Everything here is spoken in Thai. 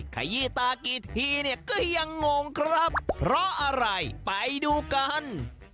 ขยี้ตากี่ทีเนี่ยก็ยังงงครับเพราะอะไรไปดูกัน